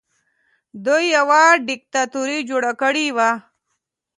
دوی یوه دیکتاتوري جوړه کړې وه